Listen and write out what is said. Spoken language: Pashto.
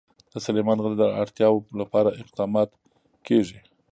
د سلیمان غر د اړتیاوو لپاره اقدامات کېږي.